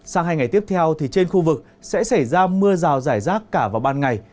sang hai ngày tiếp theo thì trên khu vực sẽ xảy ra mưa rào rải rác cả vào ban ngày